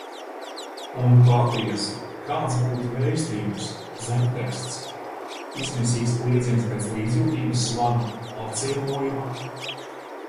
Un patiesi – kāds būtu vēstījums, zemteksts? Izmisīgs kliedziens pēc līdzjūtības zvana, apciemojuma?